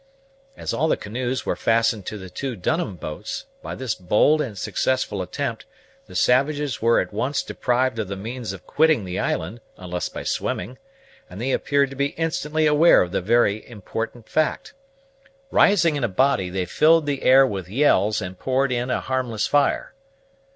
As all the canoes were fastened to the two Dunham boats, by this bold and successful attempt the savages were at once deprived of the means of quitting the island, unless by swimming, and they appeared to be instantly aware of the very important fact. Rising in a body, they filled the air with yells, and poured in a harmless fire.